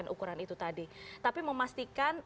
ukuran itu tadi tapi memastikan